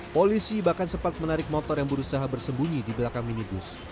polisi bahkan sempat menarik motor yang berusaha bersembunyi di belakang minibus